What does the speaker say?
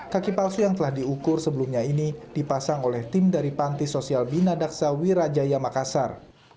kaki palsu yang telah diukur sebelumnya ini dipasang oleh tim dari panti sosial binadaksa wirajaya makassar